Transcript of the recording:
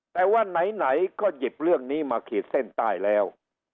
แต่ว่าไหนก็หยิบเรื่องนี้มาขีดเส้นใต้แล้ว